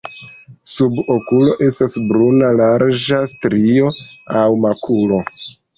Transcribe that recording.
Sub okulo estas bruna larĝa strio aŭ makulo.